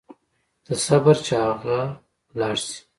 ته صبر چې اغئ لاړ شي.